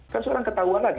kan sekarang ketahuan lagi